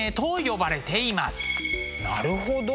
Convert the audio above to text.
なるほど。